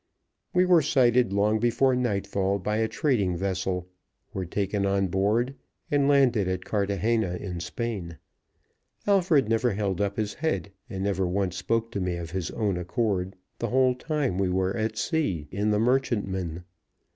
We were sighted long before nightfall by a trading vessel, were taken on board, and landed at Cartagena in Spain. Alfred never held up his head, and never once spoke to me of his own accord the whole time we were at sea in the merchantman.